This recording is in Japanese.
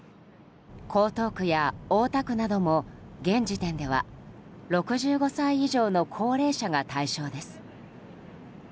江東区や大田区なども現時点では６５歳以上の高齢者が対象です。